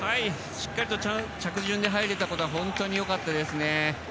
しっかり着順で入れたことが良かったですね。